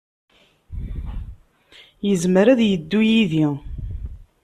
Yezmer ad yeddu yid-i.